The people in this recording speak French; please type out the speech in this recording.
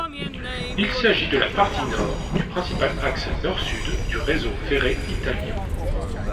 Il s'agit de la partie nord du principal axe nord-sud du réseau ferré italien.